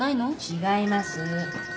違います。